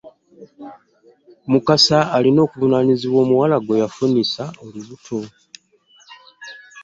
Mukasa alina okuvunaanyizibwa omuwala gweyafunyisa olubuto .